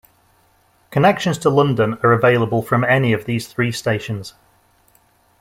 Connections to London are available from any of these three stations.